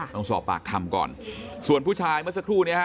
ต้องสอบปากคำก่อนส่วนผู้ชายเมื่อสักครู่นี้ฮะ